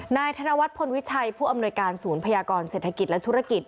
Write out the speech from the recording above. นายธนวัฒนพลวิชัยผู้อำนวยการศูนย์พยากรเศรษฐกิจและธุรกิจ